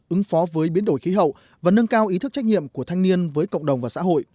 ứng phó với biến đổi khí hậu và nâng cao ý thức trách nhiệm của thanh niên với cộng đồng và xã hội